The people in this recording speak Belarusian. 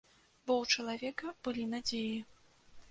Бо ў чалавека былі надзеі.